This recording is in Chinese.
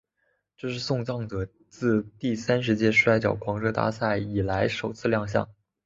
这是送葬者自第三十届摔角狂热大赛以来首次亮相。